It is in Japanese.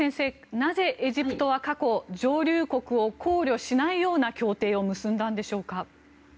なぜエジプトは過去、上流国を考慮しないような協定を結んだんでしょうか。